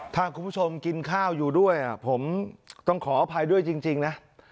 ถ้าคุณผู้ชมกินข้าวอยู่ด้วยผมต้องขออภัยด้วยจริงนะ